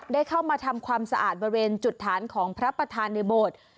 ได้เข้ามาทำความสะอาดบริเวณจุดฐานของพระประธานในโบสถ์